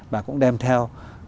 bà cũng đem theo